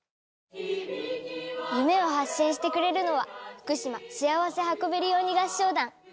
夢を発信してくれるのは福島しあわせ運べるように合唱団。